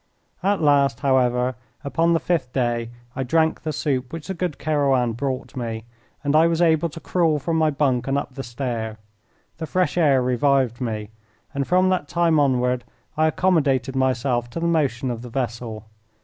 At last, however, upon the fifth day I drank the soup which the good Kerouan brought me, and I was able to crawl from my bunk and up the stair. The fresh air revived me, and from that time onward I accommodated myself to the motion of the vessel.